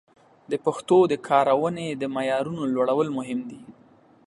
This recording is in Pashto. د پښتو د کارونې د معیارونو لوړول مهم دي.